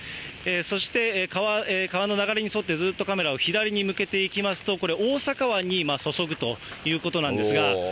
そして川の流れに沿って、ずっとカメラを左に向けていきますと、これ、大阪湾に注ぐということなんですが。